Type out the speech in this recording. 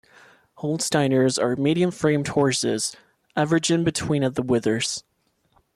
Holsteiners are medium-framed horses averaging between at the withers.